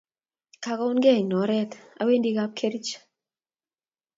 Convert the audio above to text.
koang'unte eng' oret awendi kapkerich